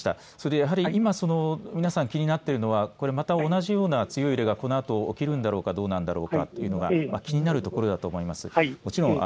やはり今皆さん気になっているのはまた同じような強い揺れがこのあと起きるんだろうかどうなんだろうかというのが気になるところだと思います。